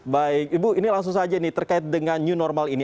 baik ibu ini langsung saja ini terkait dengan new normal ini